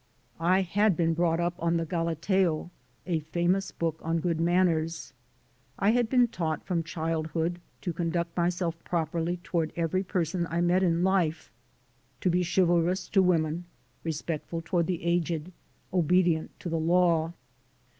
I had been brought up on the "Galateo," a famous 186 THE SOUL OF AN IMMIGRANT book on good manners; I had been taught from childhood to conduct myself properly toward every person I met in life ; to be chivalrous to women, re spectful toward the aged, obedient to the law.